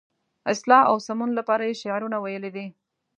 اصلاح او سمون لپاره یې شعرونه ویلي دي.